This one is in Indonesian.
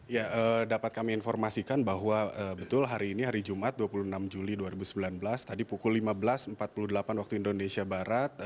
ya dapat kami informasikan bahwa betul hari ini hari jumat dua puluh enam juli dua ribu sembilan belas tadi pukul lima belas empat puluh delapan waktu indonesia barat